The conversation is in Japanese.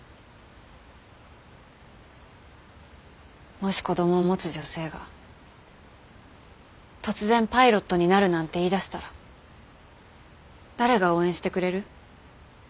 もし子供を持つ女性が突然パイロットになるなんて言いだしたら誰が応援してくれる？